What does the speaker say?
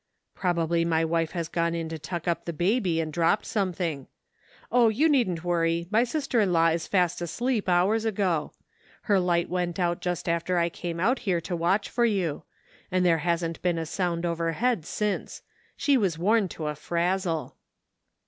" Probably my wife has gone in to tuck up the baby and dropped something Oh, you needn't worry, my sister in law is fast asleep hours ago. Her light went out just after I came out here to watch for you, and there hasn't been a sound over head since. She was worn to a frazzle."